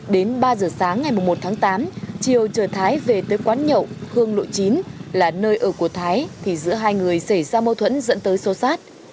đến ba giờ sáng ngày một tháng tám triều chở thái về tới quán nhậu hương lộ chín là nơi ở của thái thì giữa hai người xảy ra mâu thuẫn dẫn tới sô sát